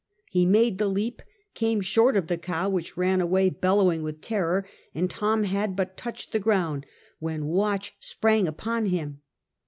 He made the leap, came short of the cow, which ran away bellowing with terror, and Tom had but touched the ground when Watch sprang upon him.